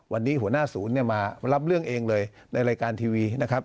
วันนี้หัวหน้าศูนย์เนี่ยมารับเรื่องเองเลยในรายการทีวีนะครับ